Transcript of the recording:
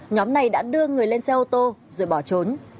nhóm này đã đưa người lên xe ô tô rồi bỏ trốn